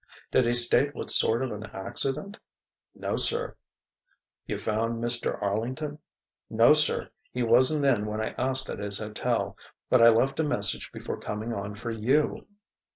"Did he state what sort of an accident?" "No, sir." "You found Mr. Arlington?" "No, sir; he wasn't in when I asked at his hotel. But I left a message before coming on for you."